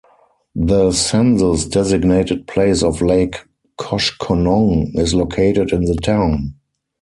The census-designated place of Lake Koshkonong is located in the town.